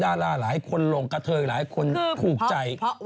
ดาราหลายคนลงกระเทยหลายคนถูกใจ